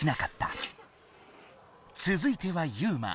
つづいてはユウマ。